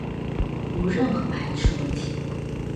无任何排斥问题